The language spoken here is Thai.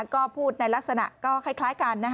ก็พูดในลักษณะก็คล้ายกัน